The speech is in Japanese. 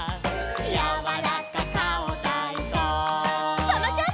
「やわらかかおたいそう」